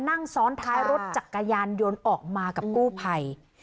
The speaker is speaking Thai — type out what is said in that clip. นั่งซ้อนท้ายรถจักรยานยนต์ออกมากับกู้ภัย